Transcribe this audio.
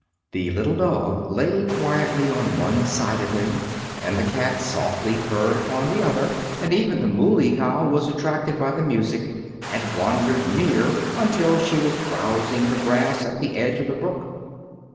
The little dog lay quietly on one side of him, and the cat softly purred upon the other, and even the moolie cow was attracted by the music and wandered near until she was browsing the grass at the edge of the brook.